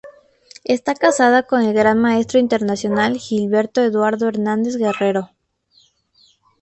Está casada con el gran maestro internacional Gilberto Eduardo Hernández Guerrero.